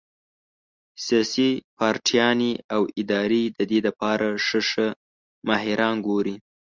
سياسي پارټيانې او ادارې د دې د پاره ښۀ ښۀ ماهران ګوري